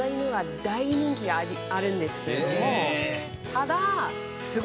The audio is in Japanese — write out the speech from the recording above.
ただ。